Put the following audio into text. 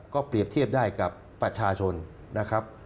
ก็เปรียบเทียบได้กับประชาชนนะครับ